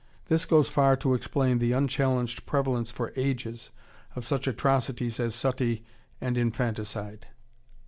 This goes far to explain the unchallenged prevalence for ages of such atrocities as suttee and infanticide....